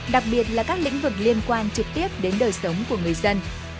đặc biệt là các lĩnh vực liên quan trực tiếp đến đời sống của người dân